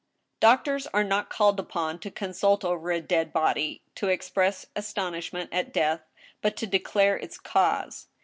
Doctors are not called upon to consult over a dead body, to ex press astonishment at death, but to declare its cause.